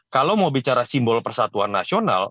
kalau mau bicara simbol persatuan nasional